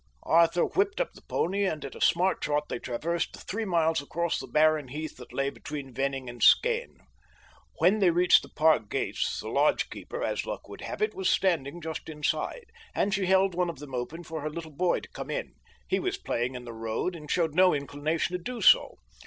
Arthur whipped up the pony, and at a smart trot they traversed the three miles across the barren heath that lay between Venning and Skene. When they reached the park gates, the lodgekeeper, as luck would have it, was standing just inside, and she held one of them open for her little boy to come in. He was playing in the road and showed no inclination to do so.